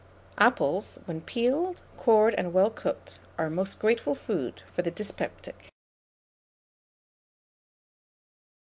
Apples, when peeled, cored, and well cooked, are a most grateful food for the dyspeptic.